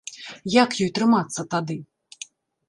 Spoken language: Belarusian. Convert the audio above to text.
Як ёй трымацца тады?